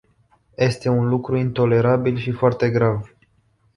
Este un lucru intolerabil și foarte grav.